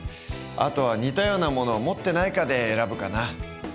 あとは似たようなものを持ってないかで選ぶかな。